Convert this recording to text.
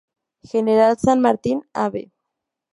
General San Martín, Av.